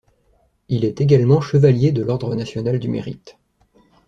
Il est également Chevalier de l’Ordre national du Mérite.